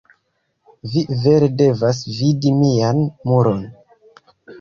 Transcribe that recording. Vi vere devas vidi mian muron.